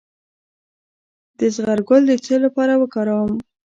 د زغر ګل د څه لپاره وکاروم؟